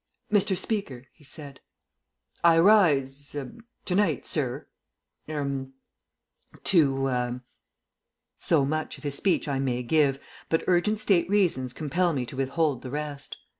"Mr. Speaker," he said, "I rise er to night, sir h'r'm, to er " So much of his speech I may give, but urgent State reasons compel me to withhold the rest.